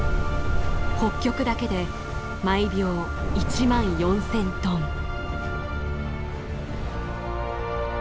北極だけで毎秒１万４，０００トン。